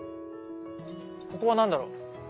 ここは何だろう？